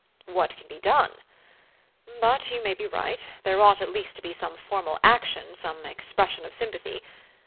"What can be done? But you may be right. There ought at least to be some formal action, some expression of sympathy.